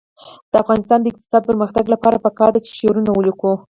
د افغانستان د اقتصادي پرمختګ لپاره پکار ده چې شعرونه ولیکو.